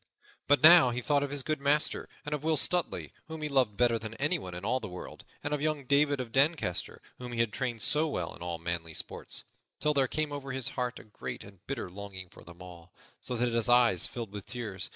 But now he thought of his good master and of Will Stutely, whom he loved better than anyone in all the world, and of young David of Doncaster, whom he had trained so well in all manly sports, till there came over his heart a great and bitter longing for them all, so that his eyes filled with tears.